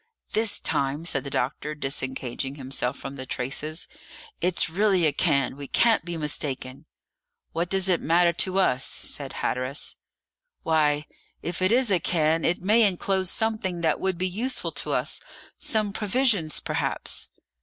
"This time," said the doctor, disengaging himself from the traces, "it's really a cairn; we can't be mistaken." "What does it matter to us?" said Hatteras. "Why, if it is a cairn, it may inclose something that would be useful to us some provisions perhaps."